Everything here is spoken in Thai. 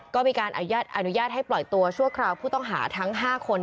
ก็มีการอนุญาตให้ปล่อยตัวชั่วคราวผู้ต้องหาทั้ง๕คน